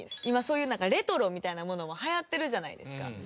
今そういうレトロみたいなものも流行ってるじゃないですか。